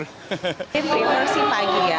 saya prefer sih pagi ya